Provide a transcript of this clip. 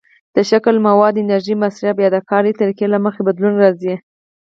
د شکل، موادو، د انرژۍ مصرف، یا د کار طریقې له مخې بدلون راځي.